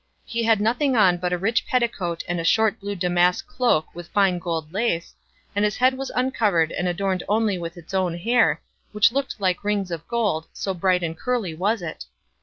He had nothing on but a rich petticoat and a short blue damask cloak with fine gold lace, and his head was uncovered and adorned only with its own hair, which looked like rings of gold, so bright and curly was it.